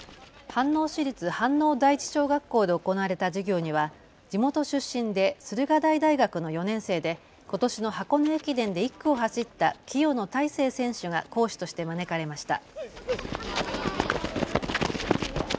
飯能市立飯能第一小学校で行われた授業には地元出身で駿河台大学の４年生でことしの箱根駅伝で１区を走った清野太成選手が講師として招かれました。